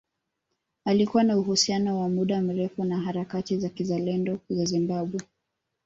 Alikuwa na uhusiano wa muda mrefu na harakati za kizalendo za Zimbabwe